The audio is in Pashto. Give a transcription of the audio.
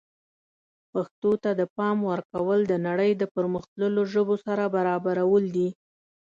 پښتو ته د پام ورکول د نړۍ د پرمختللو ژبو سره برابرول دي.